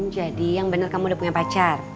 jadi yang bener kamu udah punya pacar